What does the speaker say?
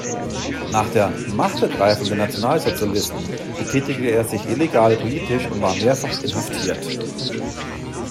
Nach der „Machtergreifung“ der Nationalsozialisten betätigte er sich illegal politisch und war mehrfach inhaftiert.